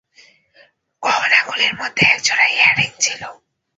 গহনাগুলির মধ্যে একজোড়া এয়ারিং ছিল।